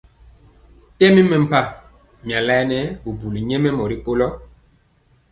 Tɛmi mɛmpah mia laɛnɛ bubuli nyɛmemɔ rikolo.